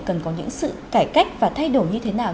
cần có những sự cải cách và thay đổi như thế nào